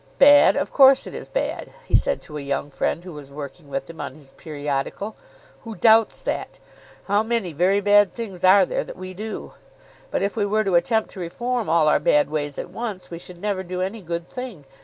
"Bad; of course it is bad," he said to a young friend who was working with him on his periodical. "Who doubts that? How many very bad things are there that we do! But if we were to attempt to reform all our bad ways at once, we should never do any good thing.